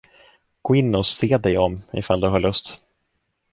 Gå in och se dig om, ifall du har lust!